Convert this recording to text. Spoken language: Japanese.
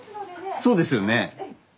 そうですよね。